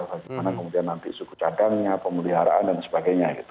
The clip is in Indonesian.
bagaimana kemudian nanti suku cadangnya pemeliharaan dan sebagainya gitu